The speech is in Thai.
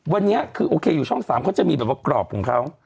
วันนี้คือโอเคอยู่ช่อง๓เขาจะมีแบบว่ากรอบของเขา